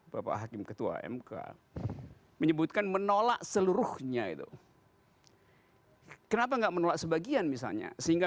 bapak hakim ketua mk menyebutkan menolak seluruhnya itu kenapa enggak menolak sebagian misalnya sehingga